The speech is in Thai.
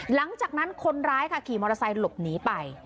หลังจากนั้นคนร้ายค่ะขี่มอเตอร์ไซค์หลบหนีไป